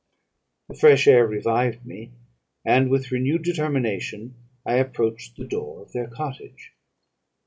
The fresh air revived me, and, with renewed determination, I approached the door of their cottage.